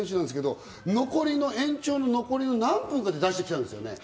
残りの延長何分かで出してきたんですよね。